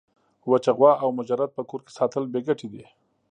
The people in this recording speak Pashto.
وچه غوا او مجرد په کور کي ساتل بې ګټي دي.